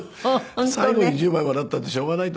最後に１０枚もらったってしょうがないと思うんで。